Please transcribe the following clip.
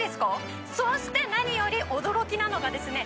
そして何より驚きなのがですね